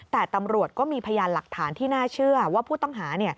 แต่ตำรวจก็มีพยานหลักฐานที่น่าเชื่อว่าผู้ต้องหา